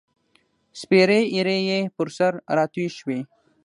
سپیرې ایرې یې پر سر راتوی شوې